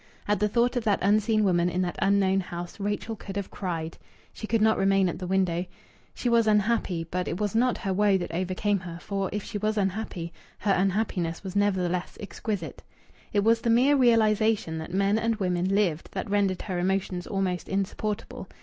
At the thought of that unseen woman in that unknown house Rachel could have cried. She could not remain at the window. She was unhappy; but it was not her woe that overcame her, for if she was unhappy, her unhappiness was nevertheless exquisite. It was the mere realization that men and women lived that rendered her emotions almost insupportable.